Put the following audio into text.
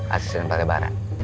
asisten pak kebaran